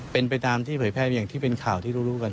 เป็นไปตามที่เผยแพร่อย่างที่เป็นข่าวที่รู้กัน